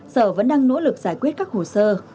sở vẫn đang nỗ lực giải quyết các hồ sơ